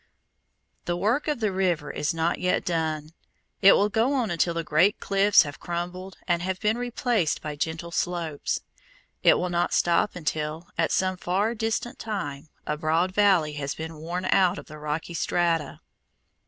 The work of the river is not yet done. It will go on until the great cliffs have crumbled and have been replaced by gentle slopes. It will not stop until, at some far distant time, a broad valley has been worn out of the rocky strata.